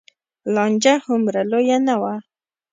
لانجه هومره لویه نه وه.